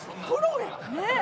ねえ。